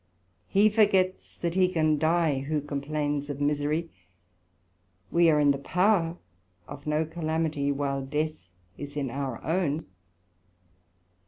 He forgets that he can dye who complains of misery; we are in the power of no calamity while death is in our own.